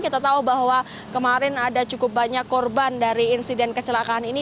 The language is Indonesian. kita tahu bahwa kemarin ada cukup banyak korban dari insiden kecelakaan ini